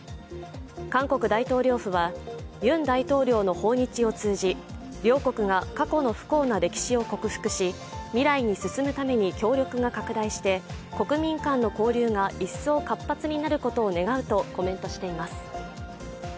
韓国大統領府はユン大統領の訪日を通じ、両国が過去の不幸な歴史を克服し、未来に進むために協力が拡大して国民間の交流が一層活発になることを願うとコメントしています。